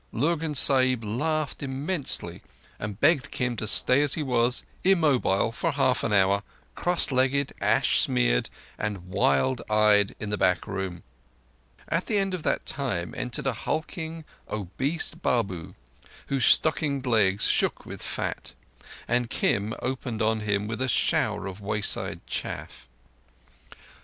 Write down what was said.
Lurgan Sahib laughed immensely, and begged Kim to stay as he was, immobile for half an hour—cross legged, ash smeared, and wild eyed, in the back room. At the end of that time entered a hulking, obese Babu whose stockinged legs shook with fat, and Kim opened on him with a shower of wayside chaff.